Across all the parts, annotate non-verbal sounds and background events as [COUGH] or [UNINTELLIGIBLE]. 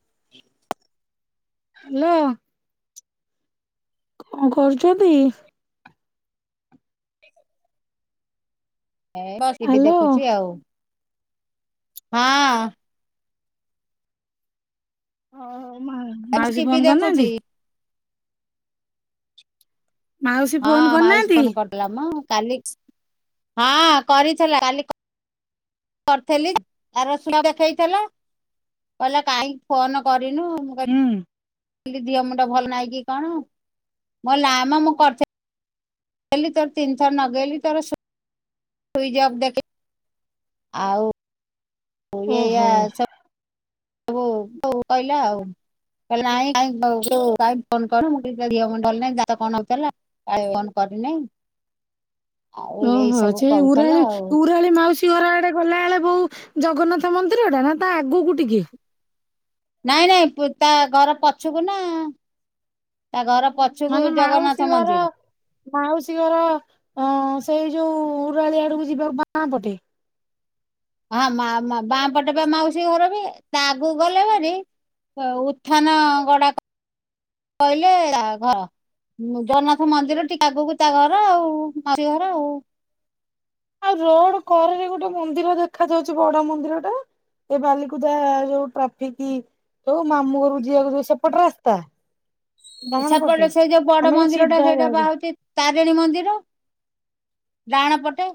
[UNINTELLIGIBLE] Hello କଣ କରୁଛନ୍ତି? ଏଇ ବସିବି ହ୍ୟାଲୋ ଦେଖୁଛି ଆଉ। ହଁ। ହଁ ମାଉସୀ ଟିଭି ଫୋନ୍ କରି ଦେଖୁଛି ନାହାନ୍ତି। ମାଉସୀ ଫୋନ ହଁ ମାଉସୀ କରିନାହାନ୍ତି ଫୋନ କରି ଥିଲା ମ। କାଲି ହଁ କରିଥିଲା କାଲି। କର୍ଥିଲି ଆର ସୁୁଆଁ ଦେଖେଇ ଥିଲ। କହିଲା କାହିଁକି ଫୋନ କରିନୁ? ମୁଁ କ ହୁଁ ଇଲି ଧିଅ ମୁଣ୍ଡ ଭଲ ନାହିଁ କି କଣ? ମୁଁ କଇଲି ନାଇଁ ମୁଁ କର୍ଥି ଲି। ତୋର ତିନିଥର ନଗେଇଲି, ତୋର ସୁ ସୁଇଜ୍ ଅପ୍ ଦେଖେ। ଆଉ ଏଇଆ ଓହୋ ସବ୍-ବୁ କୋଉ କହିଲା ଆଉ। କଇଲା ନାଇଁ କାଇଁ ସବୁ ତୁ କାଇଁ ଫୋନ୍ କରୁନୁ। ମୁଁ କଇଲି ଟିକେ ଧିଅ ମୁଣ୍ଡ ହଲେ [UNINTELLIGIBLE] [UNINTELLIGIBLE] କରିନି। ଓହୋ ସେଇ କହୁଥିଲା ଉରାଳି, ଆଉ ଉରାଳି ମାଉସୀ ଘର ଆଡେ ଗଲାବେଳେକୁ ଜଗନ୍ନାଥ ମନ୍ଦିରଟା। ନା, ତା ଆଗକୁ ଟିକେ। ନାଇଁ ନାଇଁ ତା ଘର ପଛକୁ ନା। ତା ଘର ପ ପଛୁକୁ ମାନେ ମାଉସୀ ଜଗନ୍ନାଥ ଘର ମନ୍ଦିର। ମାଉସୀ ଘର ଅ ସେଇ ଯୋଉ ଉରାଳି ଆଡକୁ ଯିବାକୁ ବାଁ ପଟେ। ହଁ ମା-ମା ବାଁ ପଟେ ବା ମାଉସୀ ଘର ବି। ତା ଆଗକୁ ଗଲେ ଭାରି ଉତ୍ଥାନ ଗଡା ପଇଲେ ଘ ହଁ ଜଗନ୍ନାଥ ମନ୍ଦିର ଟିକେ ଆଗକୁ ତା, ଘର ଆଉ ମାଉସୀ ଘର ଆଉ। ଆଉ ରୋଡ୍ କରେରେ ଗୋଟେ ମନ୍ଦିର ଦେଖା ଯାଉଛି, ବଡ ମନ୍ଦିର ଟା। ଏ ବାଲିକୁଦା ଯୋଉ ଟ୍ରାଫିକ୍ ଯୋଉ ମାମୁଁ ଘରୁକୁ ଯିିବାକୁୁ ଯୋଉ ସେପଟେ ରାସ୍ତା। ସେ ପଟେ ସେ ଯୋଉ ବଡ ଆମେ ମନ୍ଦିରଟା ସିଧା ସେଇଟା ବା ଯାଉଛେ ହଉଚି ତାରିଣୀ ମନ୍ଦିର ଡାହାଣ ପଟେ।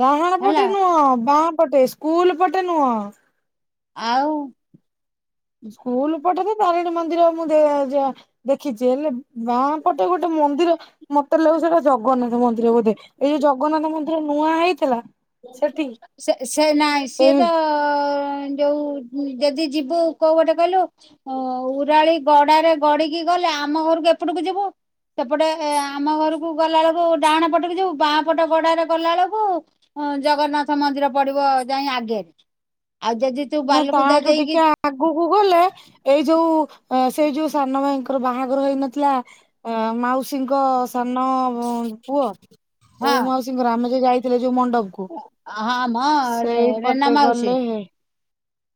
ଡାହାଣ ପଟେ ହେଲା ନୁହଁ, ବାଁ ପଟେ, ସ୍କୁଲ ପଟେ ନୁହଁ। ଆଉ। ସ୍କୁଲ୍ ପଟେ ତ ତାରିଣୀ ମନ୍ଦିର ମୁଁ ଦ-ଯ ଦେଖିଛି ହେଲେ, ବାଁ ପଟେ ଗୋଟେ ମନ୍ଦିର ମତେ ଲାଗୁଛି ସେଟା ଜଗନ୍ନାଥ ମନ୍ଦିର ବୋଧେ। ଏଇ ଜଗନ୍ନାଥ ମନ୍ଦିର ନୂଆ ହେଇଥିଲା। ସେଠି ସେ ସେ ନାଇଁ। ସିଏ ସେଇ ତ ଅ ଯୋଉ ଯଦି ଯିବୁ କୋଉ ପଟେ କହିଲୁ। ଅଁ ଉରାଳି ଗଡାରେ ଗଡି କି ଗଲେ ଆମ ଘରକୁ ଏପଟକୁ ଯିବୁ। ସେ ପଟେ ଆମ ଘରକୁ ଗଲାବେଳକୁ ଡାହାଣ ପଟକୁ ଯିବୁ। ବାଁ ପଟ ଗଡାରେ ଗଡିଲା ବେଳକୁ ହଁ ଜଗନ୍ନାଥ ମନ୍ଦିର ପଡିବ ଯାଇ ଆଗରେ। ଆଉ ଯଦି ତୁ ନାଁ ତା ବାଲକୁଦା ଠୁ ଦେଇକି ଟିକେ ଆଗକୁ ଗଲେ ଏଇ ଯୋଉ ସେଇ ଯୋଉ ସାନ ଭାଇଙ୍କର ବାହାଘର ହେଇ ନ ଥିଲା ଅ ମାଉସୀଙ୍କ ସାନ ପୁଅ। ହଁ କୋଉ ମାଉସୀଙ୍କର ଆମେ ଯୋଉ ଯାଇଥିଲେ ଯୋଉ ମଣ୍ଡପକୁ। ହଁ ମ ରେନା ସେଇପଟେ ମାଉସୀ ଗଲେ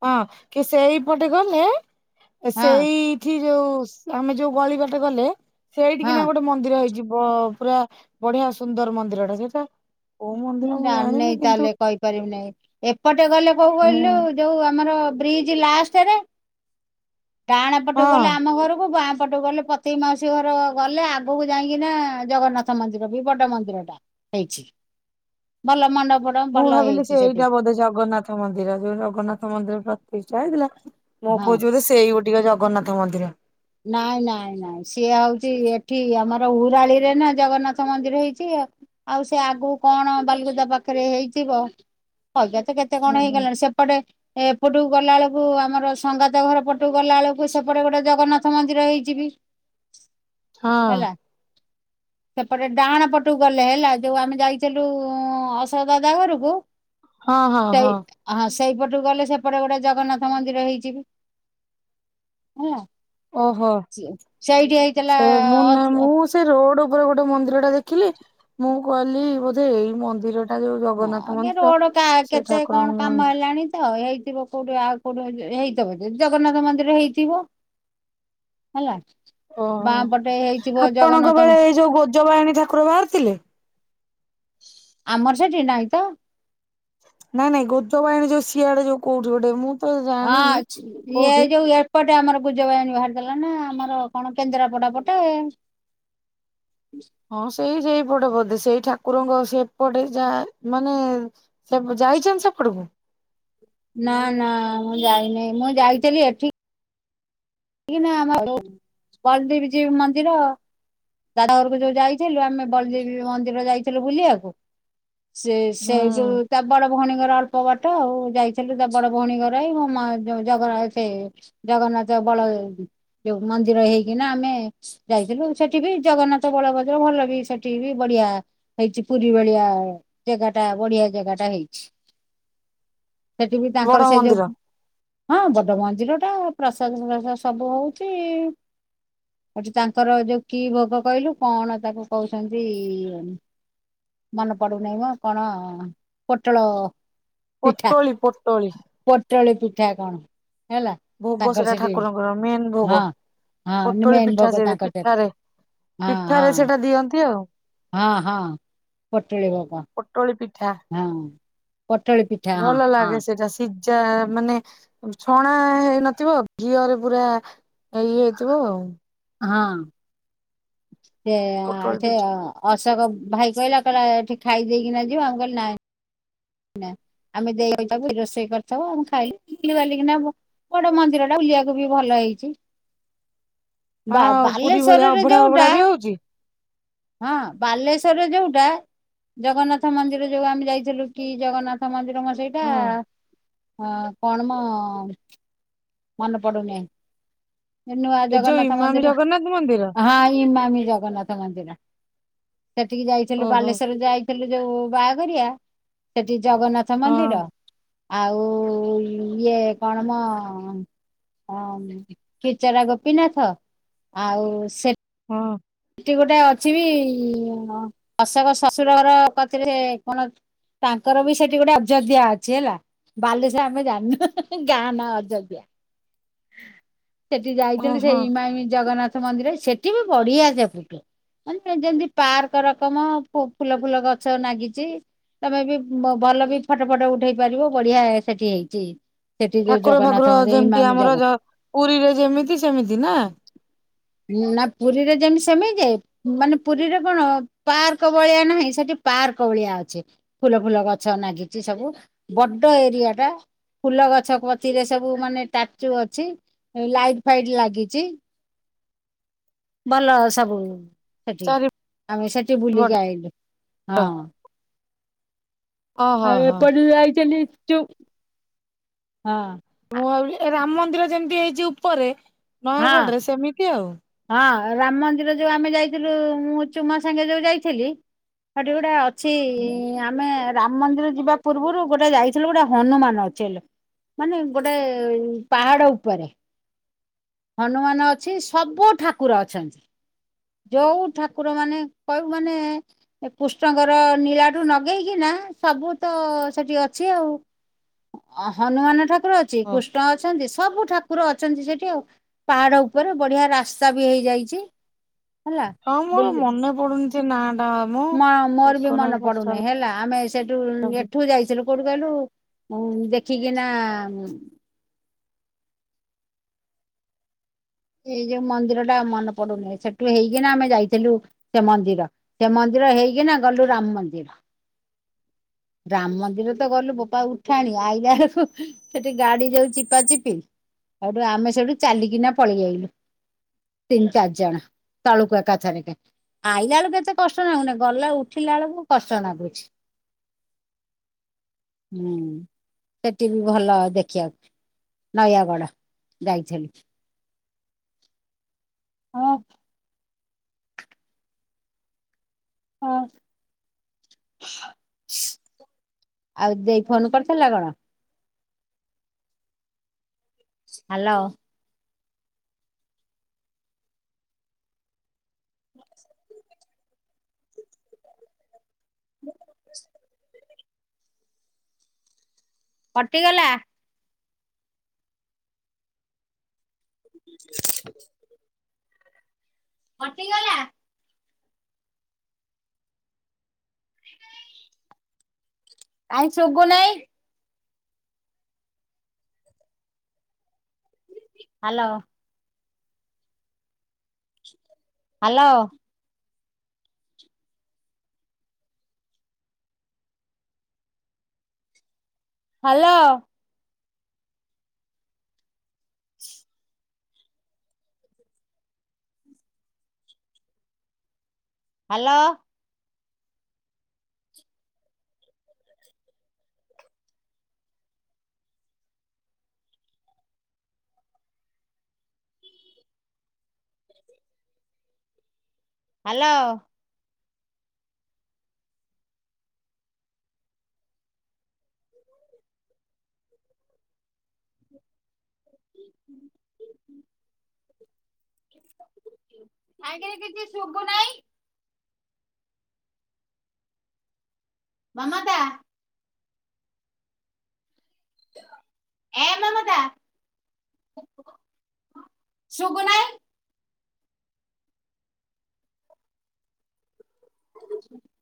ହଁ। କି ସେଇପଟେ ଗଲେ ସେଇ ହଁ ସେଇଠି ଯୋଉ ଆମେ ଯୋଉ ଗଳି ବାଟେ ଗଲେ, ସେଇଠି ହଁ କିନା ଗୋଟେ ମନ୍ଦିର ହେଇଚି ପ-ପୁରା ବଢିଆ ସୁନ୍ଦର ମନ୍ଦିରଟା ସେଇଟା। କୋଉ ମୁଁ ମନ୍ଦିର ଜାଣିନି ଜାଣିନେଇଁ ତା କିନ୍ତୁ ହେଲେ କହିପାରିବି ନେଇଁ। ଏପଟେ ଗଲେ କୋଉ ମୁଁ କହିଲୁ ଯୋଉ ଆମର। ବ୍ରିଜ୍ ଲାଷ୍ଟରେ ଡାହାଣ ପଟକୁ ଗଲେ ହଁ ଆମ ଘରକୁ। ବାଁ ପଟୁ ଗଲେ ପ୍ରତିକ୍ ମାଉସୀ ଘର ଗଲେ ଆଗକୁ ଯାଇକିନା ଜଗନ୍ନାଥ ମନ୍ଦିର ବି ବଡ ମନ୍ଦିରଟା। ହେଇଛି। ଭଲ ମଣ୍ଡପ। ମୁଁ ଭାବିଲି ସେ ଏଇଟା ବୋଧେ ଜଗନ୍ନାଥ ମନ୍ଦିର ଯୋଉ ଜଗନ୍ନାଥ ମନ୍ଦିର ପ୍ରତିଷ୍ଠା ହେଇଥିଲା ମୁ ହଁ କୋହୁଛି ବୋଧେ ସେଇ ଟିକେ ଜଗନ୍ନାଥ ମନ୍ଦିର ନାଇଁ ନାଇଁ ନାଇଁ ସିଏ ହଉଛି ଏଠି ଆମର ଉାରାଳିରେ ନା ଜଗନ୍ନାଥ ମନ୍ଦିର ହେଇଛି ଆଉ। ଆଉ ସେ ଆଗକୁ କଣ ବାଲଗୁଜା ପାଖରେ ହେଇଥିବ। କହିବିତ କେ କେତେ କଣ ହଁ ହଁ ହେଇଗଲାଣି ସେପଟେ। ଏପଟକୁ ଗଲା ବେଳକୁ ଆମର ସଙ୍ଗାତ ଘର ପଟକୁ ଗଲା ବେଳକୁ ସେପଟେ ଗୋଟେ ଜଗନ୍ନାଥ ଜଗନ୍ନାଥ ମନ୍ଦିର ହେଇଛି ହେଲା। ସେପଟେ ଡାହାଣ ପଟକୁ ଗଲେ ହେଲା ଯୋଉ ଆମେ ଯାଇଥିଲୁ ଅଶୋକ ଦାଦା ଘରକୁ ହଁ ହଁ ହଁ। ହ ହଁ ସେଇପଟୁ ଗଲେ ସେପଟେ ଗୋଟେ ଜଗନ୍ନାଥ ମନ୍ଦିର ହେଇଛି ହେଲା। ଓହୋ। ସେଇଠି ହେଇଥିଲା ସେ ମୁଁ ନା ଅ ମୁଁ ସେ ରୋଡ ଉପରେ ଗୋଟେ ମନ୍ଦିର ଟା ଦେଖିଲି, ମୁଁ କହିଲି ବୋଧେ ଏଇ ମନ୍ଦିର ଟା ଯୋଉ ଜଗନ୍ନାଥ ଆଗେ ମନ୍ଦିର ରୋଡ କା ସେ କେତେ ଠାକୁରଙ୍କ କଣ କାମ ମନ୍ଦିର ହେଲାଣି। ଉ ହେଇଥିବ କୋଉଠି ଆଉ କୋଉଠି ହେଇଥିବ ଯି ଜଗନ୍ନାଥ ମନ୍ଦିର ହେଇଥିବ। ହେଲା। ଓହୋ ବାଁ ପଟେ ହେଇଥିବ ଆପଣଙ୍କ ଜଗନ୍ନାଥ ବେଳେ ଏଇ ଯୋଉ ଗୋଜ ବାୟାଣୀ ଠାକୁର ବାହାରିଥିଲେ। ଆମର ସେଠି ନାହିଁ ତ ନାଇଁ ନାଇଁ ଗଜ ବାୟାଣୀ ଯୋଉ ସିଆଡେ ଯୋ କୋଉଠି ଗୋଟେ ମୁଁ ତ ହଁ ଜାଣିନି ଇଏ କୋଉଠି ଯୋଉ ଏ ପଟେ ଆମର ଗୁଜ ବାୟାଣୀ ବାହାରିଥିଲା ନା ଆମର କଣ କେନ୍ଦ୍ରାପଡ଼ା ପଟେ। ହଁ ସେଇ ସେଇପଟେ ବୋଧେ ସେଇ ଠାକୁରଙ୍କ ସେପଟେ ଯାହା ମାନେ ସେ ଯାଇଛନ୍ତି ସେପଟକୁ ନା ନା ମୁଁ ଯାଇନି ମୁଁ ଯାଇଥିଲି ଏଠି ନା ଆମର [UNINTELLIGIBLE] ଜୀଉ ମନ୍ଦିର। ତାଢ ଘରକୁ ଯୋଉ ଯାଇଥିଲୁ, ଆମେ ବଲଦୀପ ଜୀଉ ମନ୍ଦିର ଯାଇଥିଲୁ ବୁଲିବାକୁ। ସେ ସେ ହୁଁ ଯୋଉ ତା ବଡ଼ ଭଉଣୀ ଘର ଅଳ୍ପ ବାଟ ଆଉ ଯାଇଥିଲୁ ତା ବଡ଼ ଭଉଣୀ ଘର ହେଇ [UNINTELLIGIBLE] ଜଗନ୍ନାଥ ବଳ ଯୋଉ ମନ୍ଦିର ହେଇକିନା ଆମେ ଯାଇଥିଲୁ ସେଠି ବି ଜଗନ୍ନାଥ ବଳଭଦ୍ର ଭଲ ବି ସେଠି ବି ବଢ଼ିଆ ହେଇଛି ପୁରୀ ଭଳିଆ ଜାଗାଟା ବଢ଼ିଆ ଜାଗାଟା ହେଇଛି। ସେଠି ବି ବଡ ତାଙ୍କର ସେଇ ଯୋଉ ମନ୍ଦିର ହଁ ବଡ଼ ମନ୍ଦିର ଟା ପ୍ରସାଦ ସବୁ ହଉଛି। ଏଠେ ତାଙ୍କର ଯୋଉ କି ଭୋଗ କହିଲୁ କଣ ତାକୁ କହୁଛନ୍ତି ମନେ ପଡୁନହି ମୁ କଣ ପୋଟଳ ପୋଟଳୀ ପୋଟଳୀ। ତଳେ ପିଠା କଣ? ହେଲା ଭୋଗ ତାଙ୍କର ସେଟା ସେଠି ଠାକୁରଙ୍କର ମେନ୍ ଭୋଗ ହଁ ହଁ ପୋଟଳି ମେନ୍ ପିଠା ଭୋଗ ସେ ତାଙ୍କର ସେଟା ପିଠାରେ ହଁ ହଁ ପିଠାରେ ସେଇଟା ଦିଅନ୍ତି ଆଉ। ହଁ ହଁ ପୋଟଳି ଭୋଗ। ପୋଟଳି ପିଠା ହଁ ପୋଟଳି ପି ଭଲ ଲାଗେ ସେଇଟା ସି ଯା ମାନେ ଛଣା ହେଇନଥିବ ଘିଅରେ ପୁରା ହେଇ ହେଇଥିବ ଆଉ। ହଁ। ସେ ପୋଟଳ ସେ ପିଠା ଅଶୋକ ଭାଇ କହିଲା କହିଲା ଏଠି ଖାଇଦେଇକିନା ଯିବା ଆମ କହିଲି ନାଇଁ। ନା ଆମେ ଦେଇ [UNINTELLIGIBLE] ରୋଷେଇ କରିଥିବ ଆମ ଖାଇ ବୁଲି ବାଲିକିନା ବ ବଡ ମନ୍ଦିର ଟା ବୁଲିବାକୁ ବି ଭଲ ହେଇଚି। ବା ମାନେ ପୁରୀ ବାଲେଶ୍ୱର ଭଳିଆ ରେ ଅଭଢା ଯଉଟା ଅଭଢା ବି ହଉଛି ହଁ ବାଲେଶ୍ଵରରେ ଯୋଉଟା ଜଗନ୍ନାଥ ମନ୍ଦିର ଯୋଉ ଆମେ ଯାଇଥିଲୁ କି ଜଗନ୍ନାଥ ମନ୍ଦିର ମ ସେଇଟା ହଁ ଅ କଣ ମ? ମନ ପଡ଼ୁନେ ନୂଆ ଏ ଯୋଉ ଜଗନ୍ନାଥ ଇମାମି ମନ୍ଦିର, ଜଗନ୍ନାଥ ମନ୍ଦିର ହଁ ହିମାମି ଜଗନ୍ନାଥ ମନ୍ଦିର। ସେଠିକି ଯାଇଥିଲୁ ଓହୋ ବାଲେଶ୍ଵର ଯାଇଥିଲୁ ଯୋଉ ବାହାଘରିଆ ସେଠି ଜଗନ୍ନାଥ ହଁ ମନ୍ଦିର ଆଉ ଇଏ କଣ ମ ହଁ କିଚରା ଗୋପୀନାଥ ଆଉ ସେ ହଁ। ସେଠି ଗୋଟେ ଅଛି ବି ଅଶକ ଶ୍ୱଶୁରର କଥିରେ କଣ ତାଙ୍କର ବି ସେଠି ଗୋଟା ଅଯୋଧ୍ୟା ଅଛି ହେଲା। ବାଲେଶ ଆମେ ଜାଣିନୁ ଗାଁ ନା ଅଯୋଗ୍ୟା। ସେଠି ଯାଇଥିଲି ଓହୋ ସେଇ ଇମାମି ଜଗନ୍ନାଥ ମନ୍ଦିର ସେଠି ବି ବଢିଆ [UNINTELLIGIBLE] ମାନେ ଯେମତି ପାର୍କ ରକମ ଫୁ- ଫୁଲ ଫୁଲ ଗଛ ନାଗିଚି ତମେ ବି ଭଲ ବି ଫଟୋ ଫଟ ଉଠେଇ ପାରିବ ବଢିଆ ସେଠି ହେଇଚି। ଠାକୁର ଫାକୁର ଯେମିତି ଆମର ଜଗନ୍ନାଥ ଜ-ପୁରୀରେ ଯେମିତି ସେମିତି ନା? ନା ପୁରୀରେ ଯେମିତି ସେମିତି ଯେ ମାନେ ପୁରୀରେ କଣ ପାର୍କ ଭଳିଆ ନାହିଁ ସେଠି ପାର୍କ ଭଳିଆ ଅଛି। ଫୁଲ ଫୁଲ ଗଛ ନାଗିଚି ସବୁ ବଡ ଏରିଆ ଟା। ଫୁଲ ଗଛ କତିରେ ସବୁ ମାନେ ଟାଚୁ ଅଛି ଲାଇଟ୍ ଫାଇଟ୍ ଲାଗିଚି। ଭଲ ସବୁ ସେଠି ଚାରିପଟ ଆମେ ସେଠି ବୁଲିକି ଆଇଲୁ। ହଁ ଓହୋ ଆଉ ହୋ ଏପଟୁରୁ ଜାଇଚନି ଯଉ ହଁ। ମୁଁ ଭାବିଲି ରାମ୍ ମନ୍ଦିର ଯେମିତି ହେଇଛି ଉପରେ ହଁ ନୟାଗଡ ରେ ସେମିତି ଆଉ। ହଁ ରାମ ମନ୍ଦିର ଯେଉ ଆମେ ଯାଇଥିଲୁ ମୁଁ ଚୁମା ସାଙ୍ଗେ ଯଉ ଯାଇଥିଲି ସେଠି ଗୋଟା ଅଛି ଆମେ ରାମ ମନ୍ଦିର ଯିବା ପୂର୍ବରୁ ଗୋଟେ ଯାଇଥିଲୁ ଗୋଟେ ହନୁମାନ ଚଲ ମାନେ ଗୋଟେ ପାହାଡ ଉପରେ। ହନୁମାନ ଅଛି ସବୁ ଠାକୁର ଅଛନ୍ତି। ଯୋଉ ଠାକୁର ମାନେ କହିବୁ ମାନେ ଏ କୁଷ୍ଣଙ୍କର ନୀଳାଠୁ ଲଗେଇକି ନା ସବୁ ତ ସେଠି ଅଛି ଆଉ। ଅ ହନୁମାନ ଠାକୁର ଅଛି ଓ କୃଷ୍ଣ ଅଛନ୍ତି ସବୁ ଠାକୁର ଅଛନ୍ତି ସେଠି ଆଉ। ପାହାଡ ଉପରେ ବଢିଆ ରାସ୍ତା ବି ହେଇଯାଇଚି। ହଁ ମୋର ମନେ ପଡୁନି ଯେ ନାଁ ଟା ମଁ। ମା ମୋର ବି ମନେ ପଡୁନି ହେଲା ଆମେ ସେଠୁ ଏଠୁ ଯାଇଥିଲୁ କୋଉଠୁ କହିଲୁ? ଦେଖିକି ନା ଏଇ ଯୋଉ ମନ୍ଦିର ଟା ମନେ ପଡୁନି ସେଠୁ ହେଇକିନା ଆମେ ଯାଇଥିଲୁ ସେ ମନ୍ଦିର ସେ ମନ୍ଦିର ହେଇକି ନା ଗଲୁ ରାମ୍ ମନ୍ଦିର। ରାମ୍ ମନ୍ଦିର ତ ଗଲୁ ବୋପା ଉଠାଣି ଆଇଲା ବେଳକୁ ସେଠି ଗାଡି ଯଉ ଚିପା ଚିପି ସେଇଠୁ ଆମେ ସେଇଠୁ ଚାଲିକିନା ପଳେଇ ଆାଇଲୁ। ତିନି ଚାରି ଜଣ ତାଳୁକୁ ଏକାଥରେ କେ ଆଇଲା ବେଳକୁ ଏତେ କଷ୍ଟ ଲାଗୁନି ଗଲେ ଉଠିଲା ବେଳକୁ କଷ୍ଟ ନାଗୁଛି। ହୁଁ ସେଠି ବି ଭଲ ଦେଖିବାକୁ ନୟାଗଡ଼ ଯାଇଥିଲି। ହଁ। ହଁ। ଆଉ ଦେଇ ଫୋନ କରିଥିଲା କଣ? ହ୍ୟାଲୋ। [INAUDIBLE] [INAUDIBLE] କଟିଗଲା। [INAUDIBLE] କଟିିଗଲା। [INAUDIBLE] କାଇଁ ଶୁଗୁ ନାଇଁ। Hello. Hello. Hello. [INAUDIBLE] Hello. Hello. [INAUDIBLE] କାଇହିଁକି କିଛି ଶୁଗୁ ନାହିଁ। ମମତା ଏ ମମତା ଶୁଗୁନାଇ [INAUDIBLE]